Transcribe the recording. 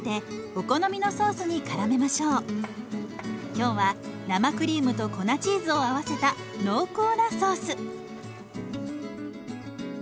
今日は生クリームと粉チーズを合わせた濃厚なソース。